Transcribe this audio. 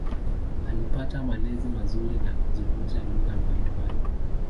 Alipata malezi mazuri na kujifunza lugha mbalimbali.